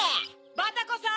・バタコさん！